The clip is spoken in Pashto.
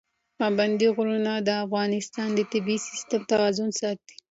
پابندي غرونه د افغانستان د طبعي سیسټم توازن ساتي.